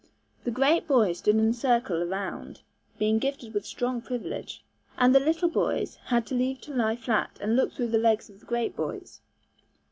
The great boys stood in a circle around, being gifted with strong privilege, and the little boys had leave to lie flat and look through the legs of the great boys.